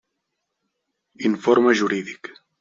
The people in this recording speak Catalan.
Informe jurídic.